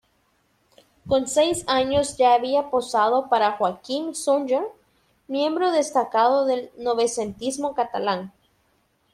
Con seis años ya había posado para Joaquim Sunyer, miembro destacado del Novecentismo catalán.